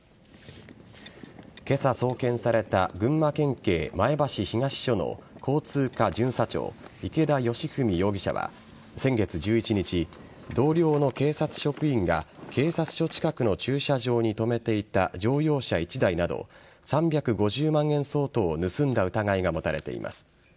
けさ送検された群馬県警前橋東署の交通課巡査長、池田佳史容疑者は、先月１１日、同僚の警察職員が警察署近くの駐車場に止めていた乗用車１台など、３５０万円相当を盗んだ疑いが持たれています。